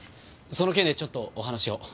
その件でちょっとお話を。